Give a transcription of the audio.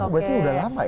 berarti sudah lama ya